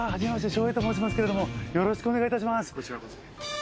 照英と申しますけれどもよろしくお願い致します。